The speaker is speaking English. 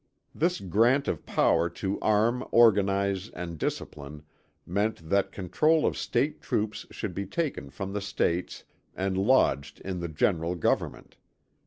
This grant of power to arm organize and discipline meant that control of State troops should be taken from the States and lodged in the general government.